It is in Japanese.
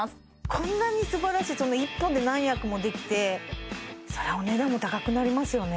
こんなにすばらしい１本で何役もできてそれはお値段も高くなりますよね